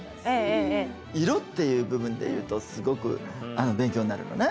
色っていう部分でいうとすごく勉強になるのね。